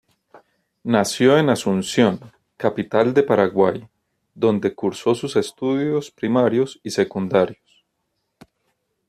Nació en Asunción, capital del Paraguay, donde cursó sus estudios primarios y secundarios.